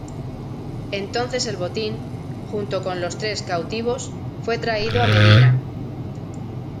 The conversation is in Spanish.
Entonces el botín, junto con los tres cautivos, fue traído a Medina.